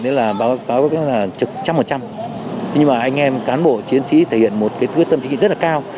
nhưng mà anh em cán bộ chiến sĩ thể hiện một quyết tâm chính trị rất là cao